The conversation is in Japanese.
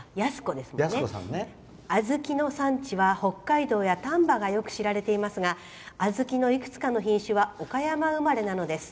小豆の産地は北海道や丹波がよく知られていますが小豆のいくつかの品種は岡山生まれなのです。